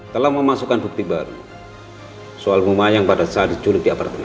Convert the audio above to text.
telah memasukkan bukti baru soal bumayang pada saat diculik di apartemennya